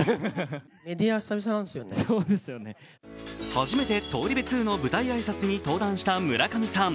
初めて「東リベ２」の舞台挨拶に登壇した村上さん。